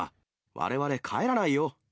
われわれ帰らないよ。